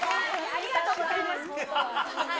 ありがとうございます。